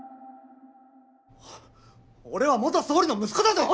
俺は元総理の息子だぞ！